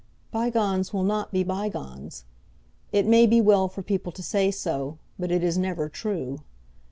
"Bygones will not be bygones. It may be well for people to say so, but it is never true.